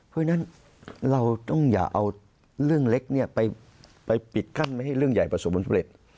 เพราะฉะนั้นเราต้องอย่าเอาเรื่องเล็กเนี่ยไปปิดกั้นไหมให้เรื่องใหญ่ประสบบนผลิต